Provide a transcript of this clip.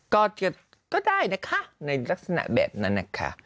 ก็ได้นะคะในลักษณะแบบนั้นนะคะ